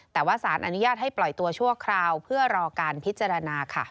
แต่ว่าสารอนุญาตให้ปล่อยตัวชั่วคราวเพื่อรอการพิจารณาค่ะ